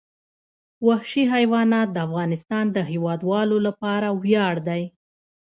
وحشي حیوانات د افغانستان د هیوادوالو لپاره ویاړ دی.